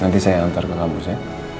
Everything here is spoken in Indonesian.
nanti saya antar ke kabus ya